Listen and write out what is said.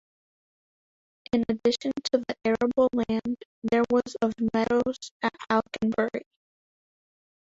In addition to the arable land, there was of meadows at Alconbury.